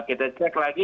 kita cek lagi